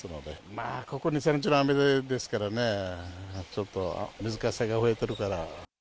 まあ、この２、３日の雨ですからね、ちょっと、水かさが増えてるから。